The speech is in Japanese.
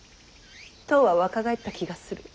１０は若返った気がする。